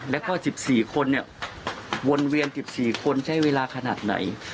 แล้วก็สิบสี่คนเนี้ยวนเวียนสิบสี่คนใช้เวลาขนาดไหน